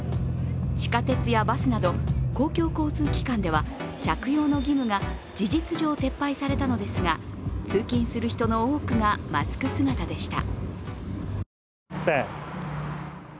地下鉄やバスなど公共交通機関では着用の義務が事実上撤廃されたのですが通勤する人の多くがマスク姿でした。